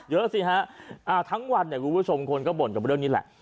เยอะสิฮะทั้งวันเนี่ยคุณผู้ชมคนก็บ่นกับเรื่องนี้แหละ